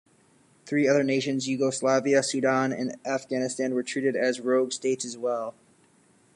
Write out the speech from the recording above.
Three other nations, Yugoslavia, Sudan, and Afghanistan, were treated as rogue states as well.